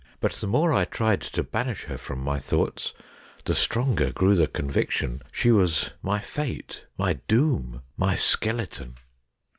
But the more I tried to banish her from my thoughts the stronger grew the conviction she was my Fate, my Doom, my Skeleton.